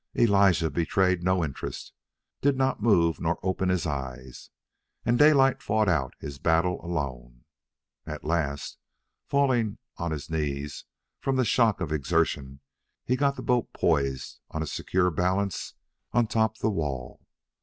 Elijah betrayed no interest, did not move nor open his eyes; and Daylight fought out his battle alone. At last, falling on his knees from the shock of exertion, he got the boat poised on a secure balance on top the wall.